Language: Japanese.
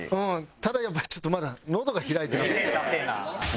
ただやっぱりちょっとまだ喉が開いてなくて。